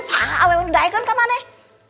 saha aww di dae kan kaman eh